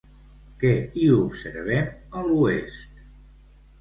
Què hi observem a l'oest?